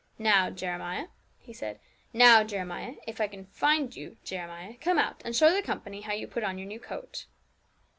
'Now, Jeremiah,' he said 'now, Jeremiah, if I can find you, Jeremiah, come out, and show the company how you put on your new coat.'